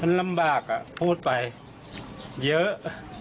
มันลำบากพูดไปเยอะ